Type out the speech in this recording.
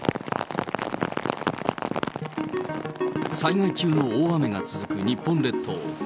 災害級の大雨が続く日本列島。